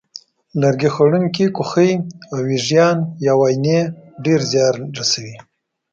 لرګي خوړونکي کوخۍ او وېږیان یا واینې ډېر زیان رسوي.